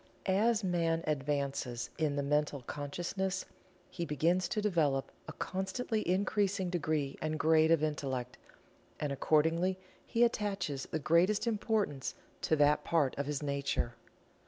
As man advances in the Mental Consciousness he begins to develop a constantly increasing degree and grade of Intellect, and accordingly he attaches the greatest importance to that part of his nature.